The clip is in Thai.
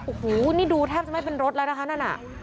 โอ้โหนี่ดูแทบจะไม่เป็นรถแล้วนะคะนั่นน่ะ